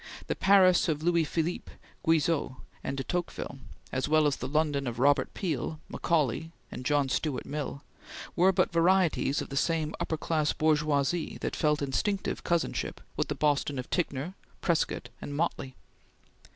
The Paris of Louis Philippe, Guizot, and de Tocqueville, as well as the London of Robert Peel, Macaulay, and John Stuart Mill, were but varieties of the same upper class bourgeoisie that felt instinctive cousinship with the Boston of Ticknor, Prescott, and Motley.